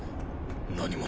何者？